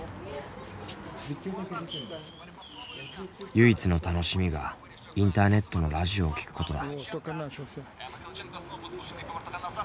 唯一の楽しみがインターネットのラジオを聴くことだ。